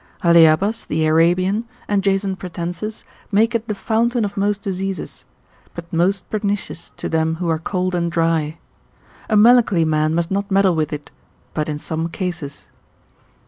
Halyabbas the Arabian, 5. Theor. cap. 36. and Jason Pratensis make it the fountain of most diseases, but most pernicious to them who are cold and dry: a melancholy man must not meddle with it, but in some cases.